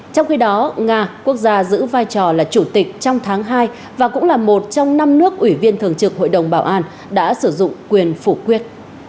trong khi đó nga quốc gia giữ vai trò là chủ tịch trong tháng hai và cũng là một trong năm nước ủy viên thường trực hội đồng bảo an đã sử dụng quyền phủ quyết